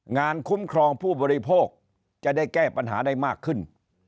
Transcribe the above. คุ้มครองผู้บริโภคจะได้แก้ปัญหาได้มากขึ้น